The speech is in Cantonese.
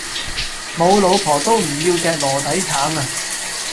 無老婆都唔要隻籮底橙呀